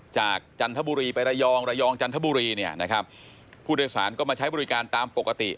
จันทบุรีไประยองระยองจันทบุรีเนี่ยนะครับผู้โดยสารก็มาใช้บริการตามปกติ